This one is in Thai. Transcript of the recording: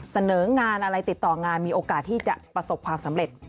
เสนองานอะไรติดต่องานมีโอกาสที่จะประสบความสำเร็จ